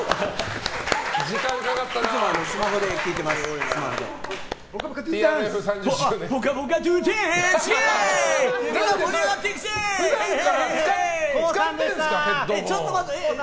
時間かかったな。